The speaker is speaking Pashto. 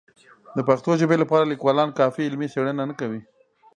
د پښتو ژبې لپاره لیکوالان کافي علمي څېړنې نه کوي.